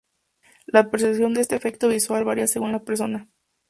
La percepción de este efecto visual varía según la persona.